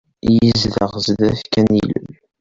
Yezdeɣ sdat kan yilel.